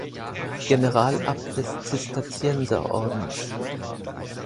Generalabt des Zisterzienserordens.